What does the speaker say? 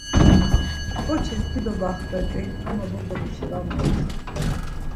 Ǩoçis dido baxvetzi ama bozomuşi var momçu.